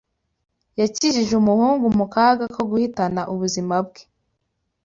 Yakijije umuhungu mu kaga ko guhitana ubuzima bwe.